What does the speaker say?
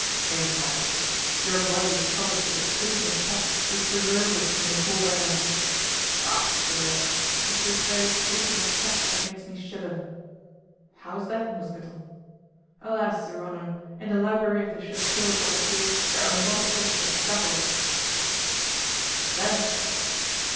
"Impossible! your body is covered with a coating of fat which preserves it from the cold air." "Ah! sir, 'tis this very coating of fat that makes me shiver." "How is that, Mousqueton? "Alas! your honor, in the library of the Chateau of Bracieux there are a lot of books of travels." "What then?"